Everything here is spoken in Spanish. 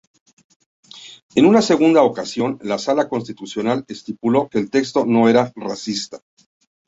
En una segunda ocasión, la Sala Constitucional estipuló que el texto no era racista.